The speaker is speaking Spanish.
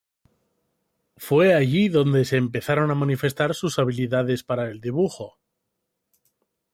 Fue allí donde se empezaron a manifestar sus habilidades para el dibujo.